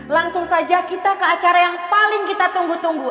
langsung saja kita ke acara yang paling kita tunggu tunggu